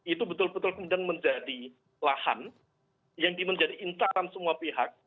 itu betul betul kemudian menjadi lahan yang menjadi incaran semua pihak